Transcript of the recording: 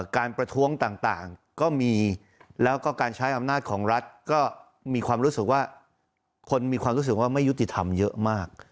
ประท้วงต่างก็มีแล้วก็การใช้อำนาจของรัฐก็มีความรู้สึกว่าคนมีความรู้สึกว่าไม่ยุติธรรมเยอะมาก